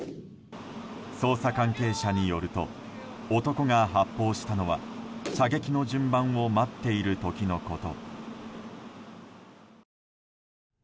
捜査関係者によると男が発砲したのは射撃の順番を待っている時のこと。